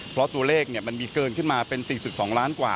เพราะตัวเลขมันมีเกินขึ้นมาเป็น๔๒ล้านกว่า